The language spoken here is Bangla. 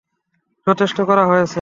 যথেষ্ট করা হয়েছে।